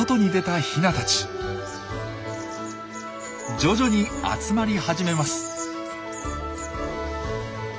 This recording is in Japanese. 徐々に集まり始めます。